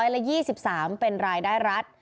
ละ๒๓เป็นรายได้รัฐ